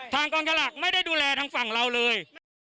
กองสลากไม่ได้ดูแลทางฝั่งเราเลย